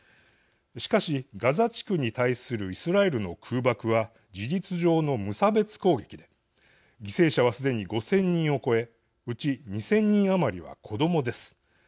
しかし、ガザ地区に対するイスラエルの空爆は事実上の無差別攻撃で犠牲者はすでに５０００人を超えうち、２０００人余りは子どもです。